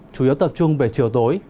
chủ yếu tập trung về chiều tối